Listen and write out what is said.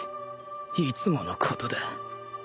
いつものことだ